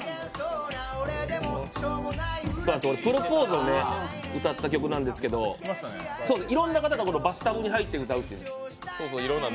プロポーズを歌った曲なんですけど、いろんな方がバスタブに入って歌うという。